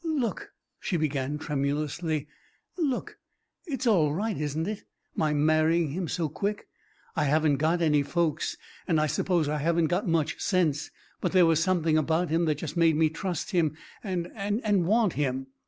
"Look," she began tremulously "look it's all right, isn't it, my marrying him so quick? I haven't got any folks, and and I suppose I haven't got much sense; but there was something about him that just made me trust him and and want him.